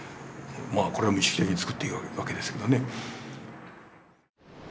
これは意識的につくっていくわけですけどね。